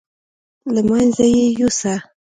له منځه یې یوسه.